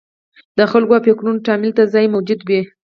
د خلکو او فکرونو تامل ته ځای موجود وي.